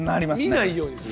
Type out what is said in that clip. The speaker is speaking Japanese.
見ないようする。